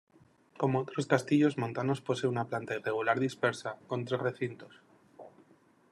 Como otros castillos montanos posee una planta irregular dispersa, con tres recintos.